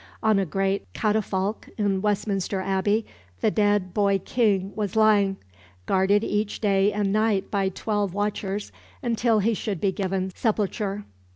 On a great catafalque in Westminster Abbey the dead boy King was lying, guarded day and night by twelve watchers until he should be given sepulture.